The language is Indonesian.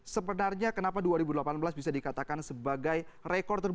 sebenarnya kenapa dua ribu delapan belas bisa dikatakan sebagai rekor terbaik